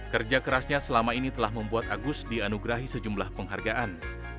kerja kerasnya selama ini telah membuat agus dianugerahi sejumlah penghargaan